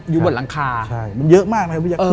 อยู่บนหลังคามันเยอะมากเลย